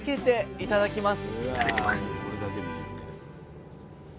いただきます。